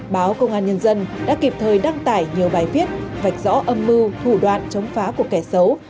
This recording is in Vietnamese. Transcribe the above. báo công an nhân dân đã kịp thời đăng tải nhiều bài viết vạch rõ âm mưu thủ đoạn chống phá của kẻ xấu